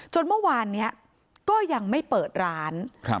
เมื่อวานนี้ก็ยังไม่เปิดร้าน